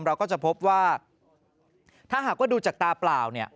เราก็จะพบว่าถ้าหากว่าดูจากตาเปล่าเนี่ย